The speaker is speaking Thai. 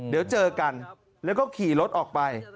เดี๋ยวเจอกันแล้วก็ขี่รถออกไป